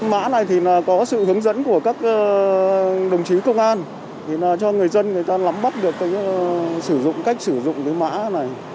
mã này thì có sự hướng dẫn của các đồng chí công an cho người dân người ta lắm bắt được cách sử dụng cái mã này